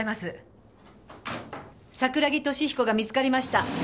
桜木敏彦が見つかりました。